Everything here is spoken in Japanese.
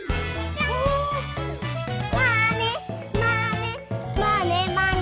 「まねまねまねまね」